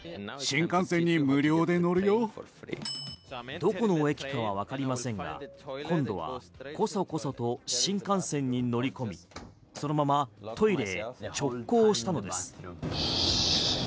どこの駅かはわかりませんが今度はコソコソと新幹線に乗り込み、そのままトイレへ直行したのです。